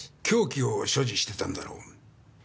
凶器を所持してたんだろう？